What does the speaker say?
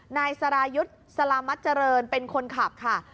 นายสรายุทธ์สลามัชเจริญเป็นคนขับค่ะ